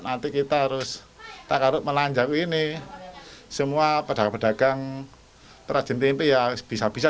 nanti kita harus takar menanjak ini semua pedagang pedagang perajin tempe ya bisa bisa